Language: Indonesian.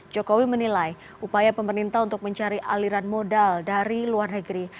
jokowi menilai upaya pemerintah untuk mencari aliran modal dari luar negeri